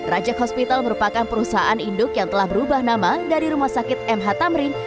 rajak hospital merupakan perusahaan induk yang telah berubah nama dari rumah sakit mh tamrin